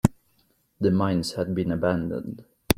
The mines had to be abandoned.